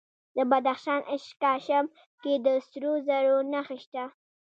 د بدخشان په اشکاشم کې د سرو زرو نښې شته.